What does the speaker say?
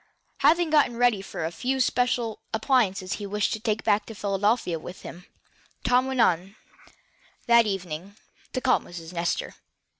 Having gotten ready the few special appliances he wished to take back to Philadelphia with him, Tom went, that evening, to call on Miss Nestor.